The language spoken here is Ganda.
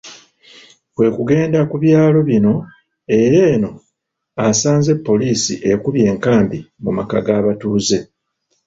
Kwe kugenda ku byalo bino era eno asanze poliisi ekubye enkambi mu maka g'abatuuze